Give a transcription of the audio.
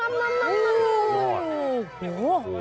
โอ้โห